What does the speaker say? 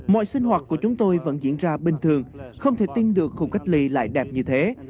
mọi sinh hoạt của chúng tôi vẫn diễn ra bình thường không thể tin được khu cách ly lại đẹp như thế